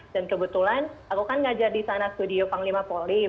dan kebetulan aku kan ngajar di sana studio panglima polim